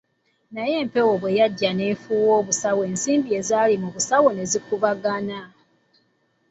Naye empewo bwe yajja n'efuuwa obusawo ensimbi ezaali mu busawo ne zikubagana!